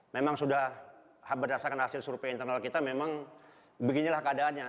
memang sudah berdasarkan hasil survei internal kita memang beginilah keadaannya